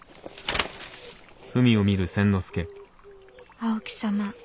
「青木様